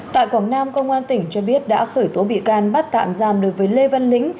tại quảng nam công an tỉnh cho biết đã khởi tố bị can bắt tạm giam đối với lê văn lĩnh